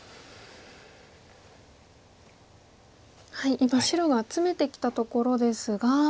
今白がツメてきたところですが。